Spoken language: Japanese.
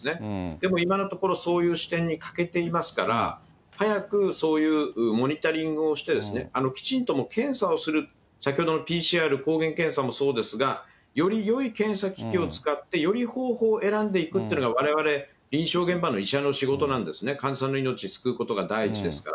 でも今のところ、そういう視点に欠けていますから、早くそういうモニタリングをして、きちんと検査をする、先ほどのＰＣＲ、抗原検査もそうですが、よりよい検査機器を使って、よい方法を選んでいくというのが、われわれ、臨床現場の医者の仕事なんですね、患者さんの命を救うことが第一ですから。